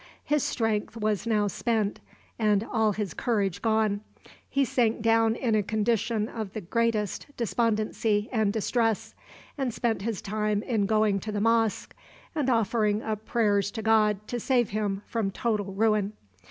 His strength was now spent, and all his courage gone. He sank down into a condition of the greatest despondency and distress, and spent his time in going to the mosque and offering up prayers to God to save him from total ruin.